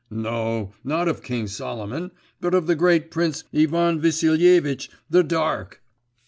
'No, not of King Solomon, but of the great Prince Ivan Vassilievitch the Dark.